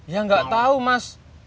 ya enggak tahu mas